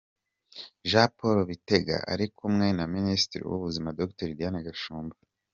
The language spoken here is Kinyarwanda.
Jean Paul Bitega ari kumwe na Minisitiri w’Ubuzima, Dr Diane Gashumba.